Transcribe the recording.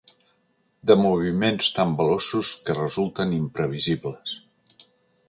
De moviments tan veloços que resulten imprevisibles.